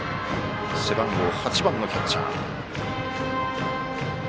背番号８番のキャッチャー。